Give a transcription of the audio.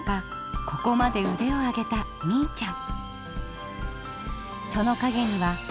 ここまで腕を上げたみいちゃん。